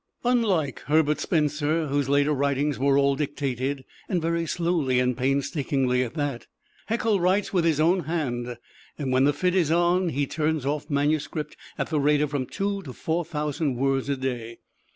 Unlike Herbert Spencer, whose later writings were all dictated and very slowly and painstakingly at that Haeckel writes with his own hand, and when the fit is on, he turns off manuscript at the rate of from two to four thousand words a day.